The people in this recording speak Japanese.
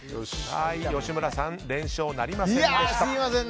吉村さんは連勝なりませんでした。